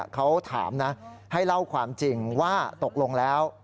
เขาถามนะให้เล่าความจริงว่าตกลงแล้ว